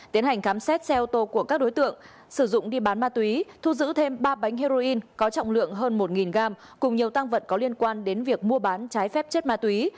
tiến hành khám xét xe ô tô của các đối tượng sử dụng đi bán ma túy thu giữ thêm ba bánh heroin có trọng lượng hơn một gram cùng nhiều tăng vật có liên quan đến việc mua bán trái phép chất ma túy